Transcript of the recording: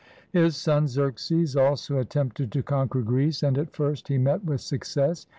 His son Xerxes also attempted to conquer Greece, and at first he met with success.